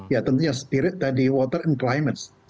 ya tentunya spirit tadi water and climate